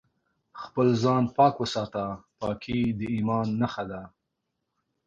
خپل ځان پاک وساته ، پاکي د ايمان نښه ده